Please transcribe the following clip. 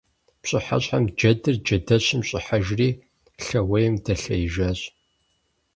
Пщыхьэщхьэм джэдыр джэдэщым щӀыхьэжри лъэуейм дэлъеижащ.